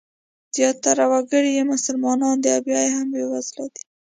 زیاتره وګړي یې مسلمانان دي او بیا هم بېوزله دي.